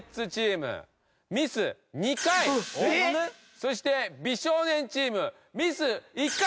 そして美少年チームミス１回！